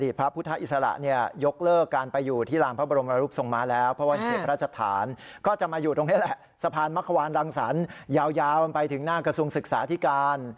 ก็จะมาอยู่ตรงนี้แหละสะพานมะขวานรังสรรค์ยาวยาวไปถึงหน้ากระทรวงศึกษาที่กาล